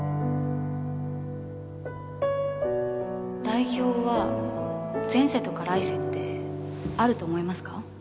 代表は前世とか来世ってあると思いますか？